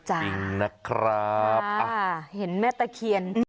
จริงนะครับเห็นแม่ตะเคียน